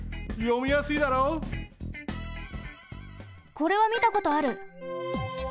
これはみたことある！